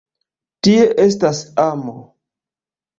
Tie estas amo!